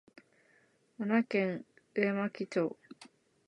奈良県上牧町